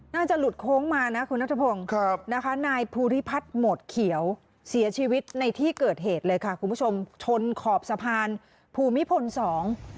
น่าจะหลุดโค้งมานะคุณนัทพงศ์ครับนะคะนายภูริพัฒน์โหมดเขียวเสียชีวิตในที่เกิดเหตุเลยค่ะคุณผู้ชมชนขอบสะพานภูมิพลสอง